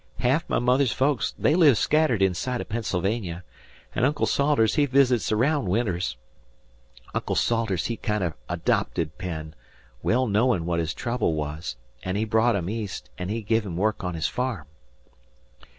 Ha'af my mother's folks they live scattered inside o' Pennsylvania, an' Uncle Salters he visits araound winters. Uncle Salters he kinder adopted Penn, well knowin' what his trouble wuz; an' he brought him East, an' he give him work on his farm."